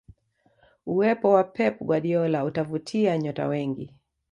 uwepo wa pep guardiola utavutia nyota wengi